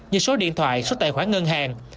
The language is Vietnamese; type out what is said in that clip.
như số điện thoại số tài khoản ngân hàng